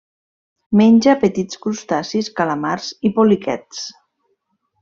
Menja petits crustacis, calamars i poliquets.